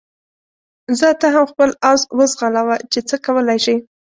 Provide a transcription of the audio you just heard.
ځه ته هم خپل اس وځغلوه چې څه کولای شې.